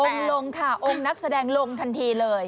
ลงค่ะองค์นักแสดงลงทันทีเลย